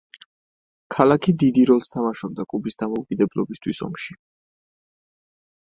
ქალაქი დიდი როლს თამაშობდა კუბის დამოუკიდებლობისათვის ომში.